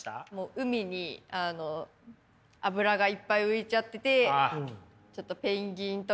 海に油がいっぱい浮いちゃっててちょっとペンギンとかが。